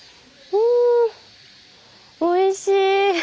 うんおいしい。